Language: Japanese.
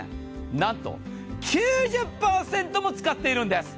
なんと９０％も使っているんです。